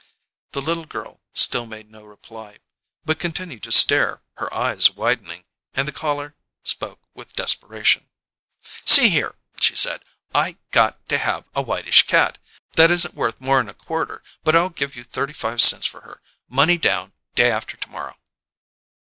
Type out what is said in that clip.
The little girl still made no reply, but continued to stare, her eyes widening, and the caller spoke with desperation. "See here," she said, "I got to have a whitish cat! That'n isn't worth more'n a quarter, but I'll give you thirty five cents for her, money down, day after to morrow."